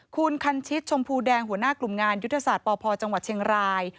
คุณคันชิตชมพูแดงหัวหน้ากลุ่มงานยุทธศาสตร์ปพจังหวัดเชียงราย